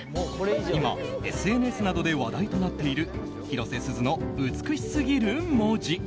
今、ＳＮＳなどで話題となっている広瀬すずの美しすぎる文字。